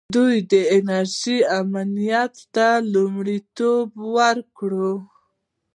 دوی د انرژۍ امنیت ته لومړیتوب ورکوي.